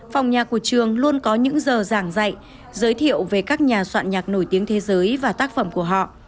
phòng nhà của trường luôn có những giờ giảng dạy giới thiệu về các nhà soạn nhạc nổi tiếng thế giới và tác phẩm của họ